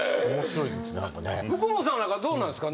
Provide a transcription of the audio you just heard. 福本さんなんかどうなんですか？